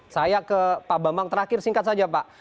saya ke pak bambang terakhir singkat saja pak